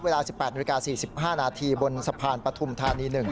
เวลา๑๘๔๕นบนสะพานปทุมธานี๑